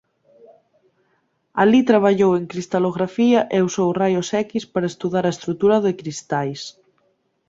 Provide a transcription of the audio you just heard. Alí traballou en cristalografía e usou raios X para estudar a estrutura de cristais.